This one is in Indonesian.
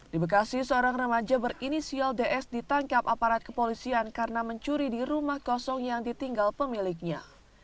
di bekasi seorang remaja berinisial ds ditangkap aparat kepolisian karena mencuri di rumah kosong yang ditinggal pemiliknya